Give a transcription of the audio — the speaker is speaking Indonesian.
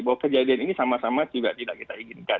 bahwa kejadian ini sama sama juga tidak kita inginkan